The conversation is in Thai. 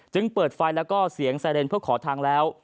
เปิดไฟแล้วก็เสียงไซเรนเพื่อขอทางแล้ว